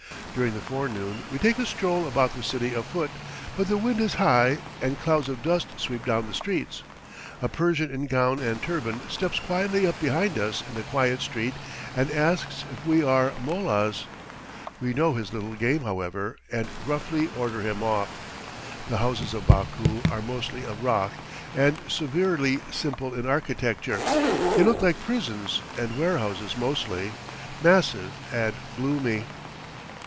During the forenoon we take a stroll about the city afoot, but the wind is high, and clouds of dust sweep down the streets. A Persian in gown and turban steps quietly up behind us in a quiet street, and asks if we are mollahs. We know his little game, however, and gruffly order him off. The houses of Baku are mostly of rock and severely simple in architecture; they look like prisons and warehouses mostly massive and gloomy.